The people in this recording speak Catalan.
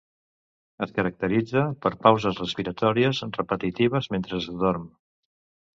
Es caracteritza per pauses respiratòries repetitives mentre es dorm.